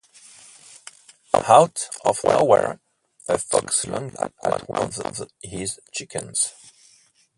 Out of nowhere, a fox lunged at one of his chickens.